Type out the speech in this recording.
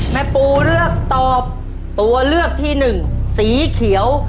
ปูเลือกตอบตัวเลือกที่หนึ่งสีเขียว